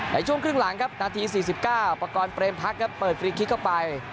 ในช่วงครึ่งหลังครับนาที๔๙ประกอบเรมพักครับเปิดฟรีคลิกเข้าไป